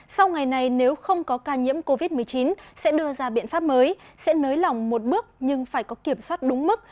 sau ngày này nếu không có ca nhiễm covid một mươi chín sẽ đưa ra biện pháp mới sẽ nới lỏng một bước nhưng phải có kiểm soát đúng mức